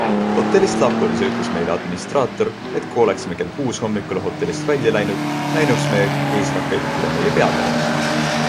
Hotellist lahkudes ütles meile administraator, et kui oleksime kell kuus hommikul hotellist välja läinud, näinuks me, kuidas rakett üle meie peade lendab.